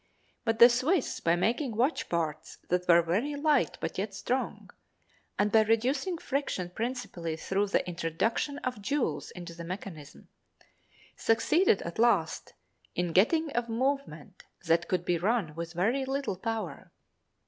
But the Swiss by making watch parts that were very light but yet strong, and by reducing friction principally through the introduction of jewels into the mechanism, succeeded at last in getting a movement that could be run with very little power.